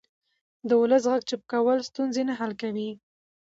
د ولس غږ چوپ کول ستونزې نه حل کوي